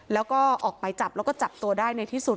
แล้วก็ออกหมายจับแล้วก็จับตัวได้ในที่สุด